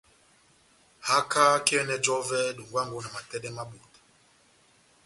Haka kahá iyɛnɛ j'ɔvɛ dongwango na matɛdɛ ma ebota.